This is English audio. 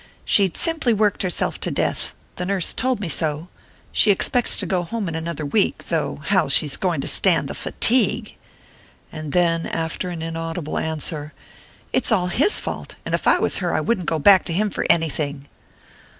"She'd simply worked herself to death the nurse told me so.... She expects to go home in another week, though how she's going to stand the fatigue " and then, after an inaudible answer: "It's all his fault, and if I was her I wouldn't go back to him for anything!"